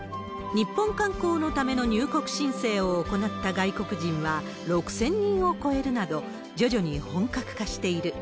日本観光のための入国申請を行った外国人は６０００人を超えるなど、徐々に本格化している。